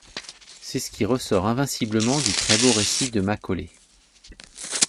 C'est ce qui ressort invinciblement du très-beau récit de Macaulay.